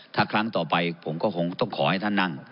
ถ้าครั้งต่อไปผมก็คงต้องขอให้ท่านนั่ง